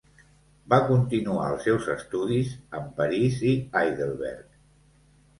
Va continuar els seus estudis en París i Heidelberg.